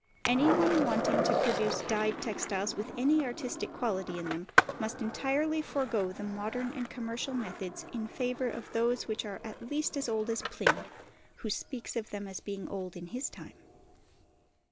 Anyone wanting to produce dyed textiles with any artistic quality in them must entirely forgo the modern and commercial methods in favour of those which are at least as old as Pliny, who speaks of them as being old in his time.